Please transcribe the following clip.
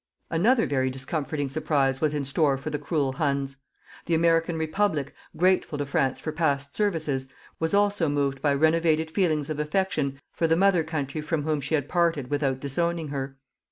Another very discomforting surprise was in store for the cruel Huns. The American Republic, grateful to France for past services, was also moved by renovated feelings of affection for the mother country from whom she had parted without disowning her.